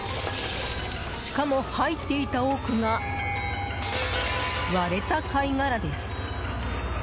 しかも、入っていた多くが割れた貝殻です。